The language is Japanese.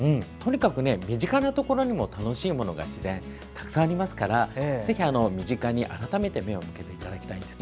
身近なところにも楽しいものが自然にはたくさんありますから身近に改めて目を向けていただきたいです。